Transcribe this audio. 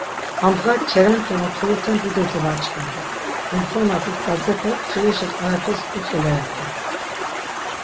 Andğa kerenti onkinuten dido domaç̆k̆indu, limxona do dadzepe mtxirişi qaepes gutzuleret̆u.